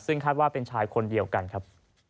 ซึ่งคาดว่าเป็นชายคนเดียวกันครับ